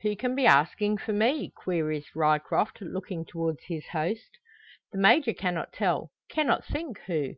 "Who can be asking for me?" queries Ryecroft, looking towards his host. The Major cannot tell cannot think who.